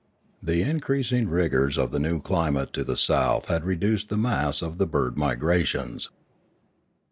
The increasing rigours of the new climate to the south had reduced the mass of the bird migrations.